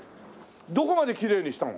どこまできれいにしたの？